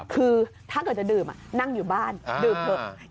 คือถ้าเกิดจะดื่มนั่งอยู่บ้านดื่มเถอะ